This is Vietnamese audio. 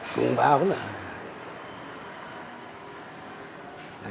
cũng báo là